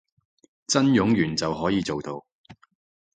真冗員就可以做到